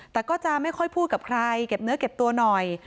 แต่ก็จะไม่ค่อยพูดกับใครเก็บเนื้อเก็บตัวหน่อย